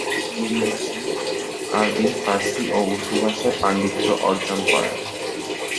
তিনি ইংরেজি, আরবি, ফার্সি ও উর্দু ভাষায় পান্ডিত্য অর্জন করেন।